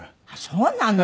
そうなの？